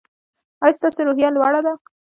ایا ستاسو روحیه لوړه ده؟